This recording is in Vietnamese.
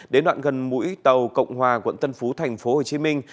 đến đoạn gần mũi tàu cộng hòa quận tân phú thành phố hồ chí minh